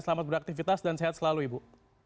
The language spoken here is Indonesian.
selamat beraktivitas dan sehat selalu ibu